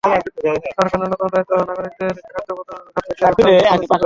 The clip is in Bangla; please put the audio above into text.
সরকারের ন্যূনতম দায়িত্ব হলো নাগরিকদের খাদ্যপ্রতারকদের হাত থেকে রক্ষার সুব্যবস্থা করা।